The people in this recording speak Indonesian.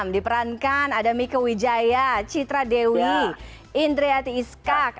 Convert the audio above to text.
diperankan ada mika wijaya citra dewi indriati iskak